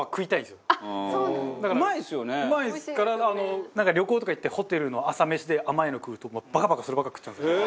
カズレーザー：旅行とか行ってホテルの朝飯で甘いの食うとバカバカそればっか食っちゃうんですよ。